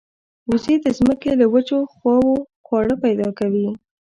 وزې د زمکې له وچو خواوو خواړه پیدا کوي